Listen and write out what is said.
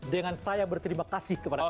dengan saya berterima kasih kepada allah